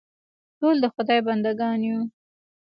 ټول د خدای بنده ګان یو.